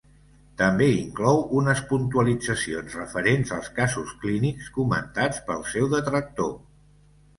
També inclou unes puntualitzacions referents als casos clínics comentats pel seu detractor.